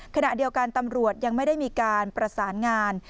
ขณะเดียวกันตำรวจยังไม่ได้มีการประสานงาน